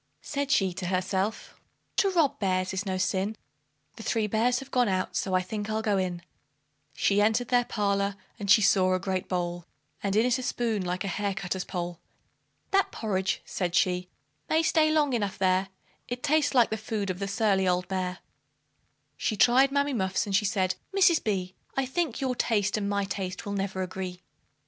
Said she to herself, "To rob bears is no sin; The three bears have gone out, so I think I'll go in." She entered their parlor, and she saw a great bowl, And in it a spoon like a hair cutter's pole. "That porridge," said she "may stay long enough there, It tastes like the food of the surly old bear," She tried Mammy Muff's, and she said, "Mrs. B , I think your taste and my taste will never agree."